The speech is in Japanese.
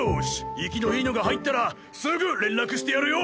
生きのいいのが入ったらすぐ連絡してやるよ。